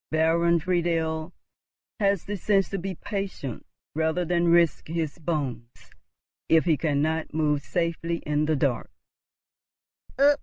Baron Friedel has the sense to be patient rather than risk his bones if he cannot move safely in the dark."